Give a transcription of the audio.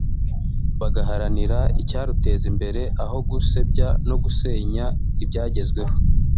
bagaharanira icyaruteza imbere aho gusebya no gusenya ibyagezweho